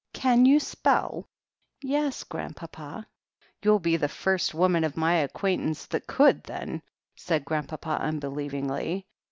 'Can you spell?" 'Yes, Grandpapa." "You'll be the first woman of my acquaintance that could, then," said Grandpapa unbelievingly.